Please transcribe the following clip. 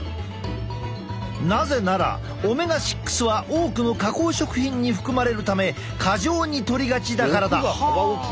なぜならオメガ６は多くの加工食品に含まれるため過剰にとりがちだからだ。